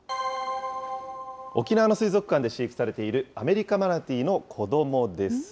沖縄の水族館で飼育されているアメリカマナティーの子どもです。